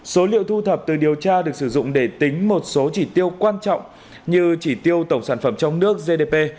số liệu thu thập từ điều tra được sử dụng để tính một số chỉ tiêu quan trọng như chỉ tiêu tổng sản phẩm trong nước gdp